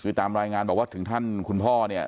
คือตามรายงานบอกว่าถึงท่านคุณพ่อเนี่ย